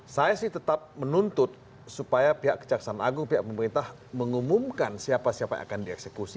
saya sih tetap menuntut supaya pihak kejaksaan agung pihak pemerintah mengumumkan siapa siapa yang akan dieksekusi